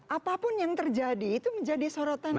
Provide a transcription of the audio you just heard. apapun yang terjadi itu menjadi sorotan